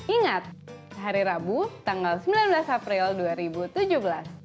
ingat hari rabu tanggal sembilan belas april dua ribu tujuh belas